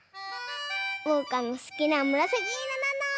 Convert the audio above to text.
おうかのすきなむらさきいろなの！